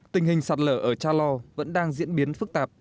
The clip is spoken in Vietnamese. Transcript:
tình hình sạt lở ở cha lo vẫn đang diễn biến phức tạp